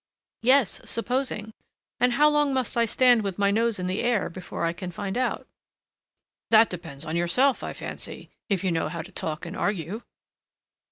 "Yes, supposing! And how long must I stand with my nose in the air before I can find out?" "That depends on yourself, I fancy, if you know how to talk and argue.